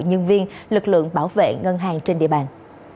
nhân viên lực lượng bảo vệ ngân hàng trên địa bàn